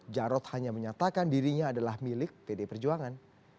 jarod hanya menyatakan dirinya adalah milik pd perjuangan